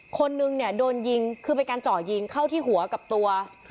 คนนึงเนี่ยโดนยิงคือเป็นการเจาะยิงเข้าที่หัวกับตัว